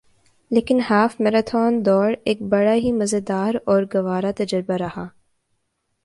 لیکن half marathon دوڑ ایک بڑا ہی مزیدار اور گوارہ تجربہ رہا